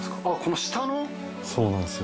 そうなんですよ